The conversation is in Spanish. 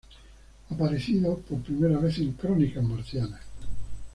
Aparecido por primera vez en "Crónicas marcianas".